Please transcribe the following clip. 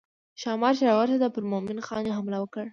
ښامار چې راورسېد پر مومن خان یې حمله وکړه.